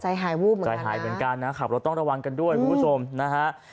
ใจหายวูบเหมือนกันนะครับรถต้องระวังกันด้วยคุณผู้ชมนะฮะ